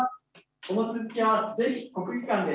この続きは是非国技館で！